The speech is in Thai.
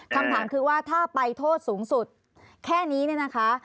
คำถามคือว่าถ้าไปโทษสูงสุดแค่นี้เนี่ยนะคะ